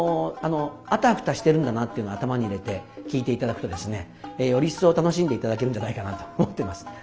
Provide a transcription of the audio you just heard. あたふたしてるんだなっていうのを頭に入れて聴いて頂くとですねより一層楽しんで頂けるんじゃないかなと思ってます。